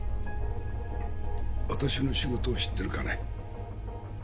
私の仕事を知っているかね？